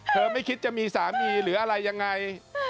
ไม่คิดจะมีสามีหรืออะไรยังไง